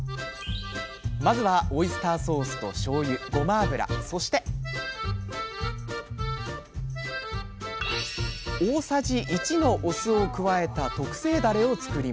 まずはオイスターソースとしょうゆごま油そして大さじ１のお酢を加えた特製だれを作ります。